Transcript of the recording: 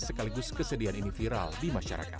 sekaligus kesedihan ini viral di masyarakat